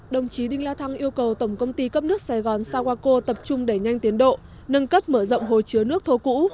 đồng chí đinh la thăng yêu cầu tổng công ty cấp nước sài gòn sawako tập trung đẩy nhanh tiến độ nâng cấp mở rộng hồ chứa nước thô cũ